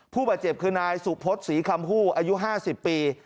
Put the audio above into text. ผู้บาดเจ็บคือนายสุพศศรีคำฮู้อายุ๕๐ปี